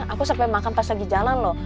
aku sampai makan pas lagi jalan loh